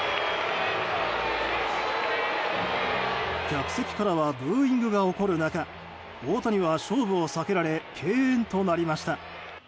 客席からはブーイングが起こる中大谷は勝負を避けられ敬遠となりました。